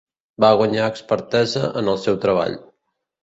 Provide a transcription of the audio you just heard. Va guanyar expertesa en el seu treball.